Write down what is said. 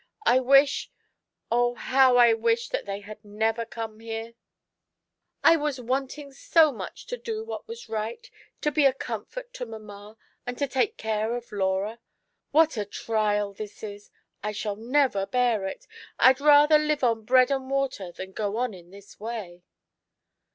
I wish — oh, how I wish that they had never come here ! I was wanting so much to do what was right, to be a comfort to mamma, and to take care of Laura. What a trial this is ! I never shall bear it. I'd rather live on bread and water than go on in this way